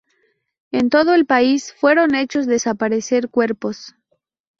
En todo el país fueron hechos desaparecer cuerpos.